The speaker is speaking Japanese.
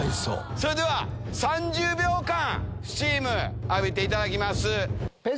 それでは３０秒間酢チーム浴びていただきます。